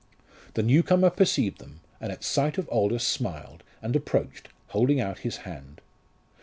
The new comer perceived them, and at sight of Aldous smiled, and approached, holding out his hand.